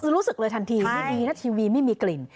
คือรู้สึกเลยทันทีไม่มีนะทีวีไม่มีกลิ่น